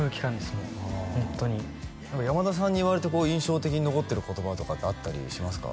もうホントに何か山田さんに言われてこう印象的に残ってる言葉とかってあったりしますか？